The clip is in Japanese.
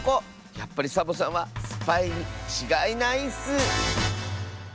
やっぱりサボさんはスパイにちがいないッス！